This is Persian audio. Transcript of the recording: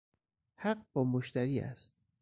حق با مشتری است